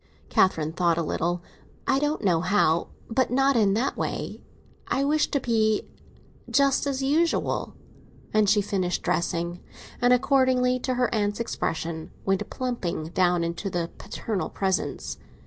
Catherine thought a little. "I don't know how; but not in that way. I wish to be just as usual." And she finished dressing, and, according to her aunt's expression, went plumping down into the paternal presence.